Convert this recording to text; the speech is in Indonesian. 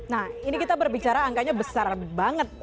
nah ini kita berbicara angkanya besar banget